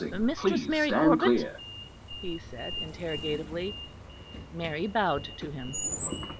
"Mistress Mary Corbet?" he said, interrogatively. Mary bowed to him.